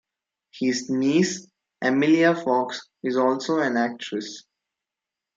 His niece Emilia Fox is also an actress.